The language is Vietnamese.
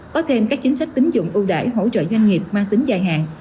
có thêm các chính sách tính dụng ưu đải hỗ trợ doanh nghiệp ma tính dài hàng